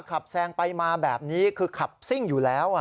แซงไปมาแบบนี้คือขับซิ่งอยู่แล้ว